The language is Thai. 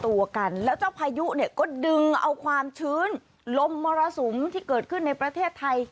ตัวกันแล้วเจ้าพายุเนี่ยก็ดึงเอาความชื้นลมมรสุมที่เกิดขึ้นในประเทศไทย